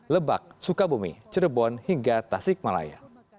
lebak sukabumi cirebon hingga tasik malaya